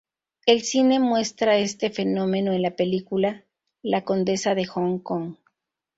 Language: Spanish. El cine muestra este fenómeno en la película "La Condesa de Hong Kong".